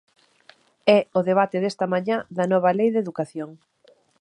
É o debate desta mañá da nova lei de educación.